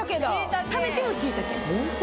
食べてもしいたけホント？